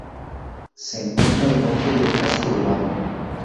Se encuentra al norte del casco urbano.